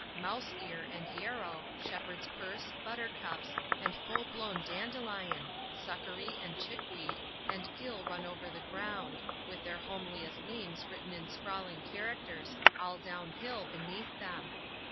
Mouse Ear and Yarrow, Shepherd's Purse, Buttercups, and full blown Dandelion, Succory, and Chickweed, and Gill run over the ground, with their homeliest names written in sprawling characters, all down hill, beneath them.